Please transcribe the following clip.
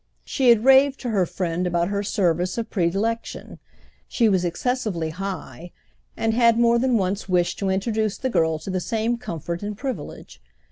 She had raved to her friend about her service of predilection; she was excessively "high," and had more than once wished to introduce the girl to the same comfort and privilege.